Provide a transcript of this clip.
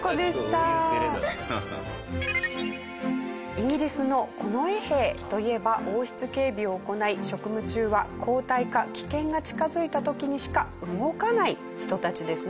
イギリスの近衛兵といえば王室警備を行い職務中は交代か危険が近づいた時にしか動かない人たちですね。